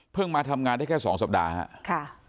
เพิ่งมาทำงานได้แค่๒สัปดาห์ค่ะ